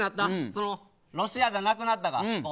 ロシアじゃなくなった。